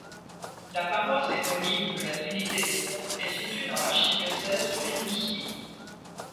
La paroisse éponyme de La Trinité-des-Monts est située dans l'Archidiocèse de Rimouski.